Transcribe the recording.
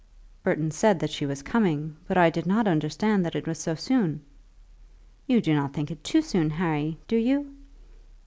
"Burton said that she was coming, but I did not understand that it was so soon." "You do not think it too soon, Harry; do you?"